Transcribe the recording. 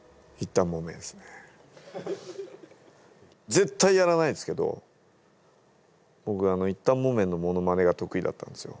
絶対やらないですけど僕一反もめんのものまねが得意だったんですよ。